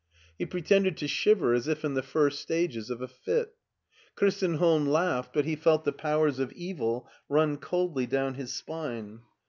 He pretended to shiver as if in the first stages of a fit. Christenholm laughed, but he felt the powers of evil run coldly down his spine.